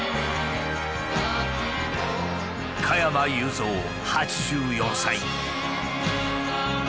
加山雄三８４歳。